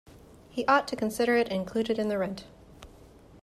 He ought to consider it included in the rent.